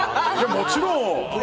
もちろん！